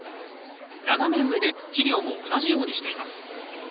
斜め植えで肥料も同じようにしています。